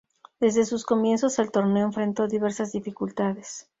Desde sus comienzos el torneo enfrentó diversas dificultades.